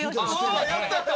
やった！